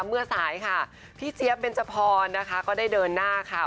เมื่อสายค่ะพี่เจี๊ยบเบนจพรนะคะก็ได้เดินหน้าค่ะ